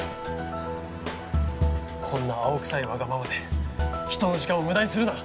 こんな青臭いわがままで人の時間をむだにするな！